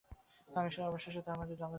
আমি অবশেষে তার মাঝে জ্বালা ধরাতে পেরেছিলাম।